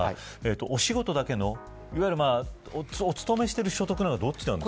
お仕事だけの、いわゆるお勤めしている所得なのかどちらですか。